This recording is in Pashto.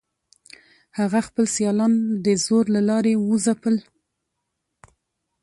هغه خپل سیالان د زور له لارې وځپل.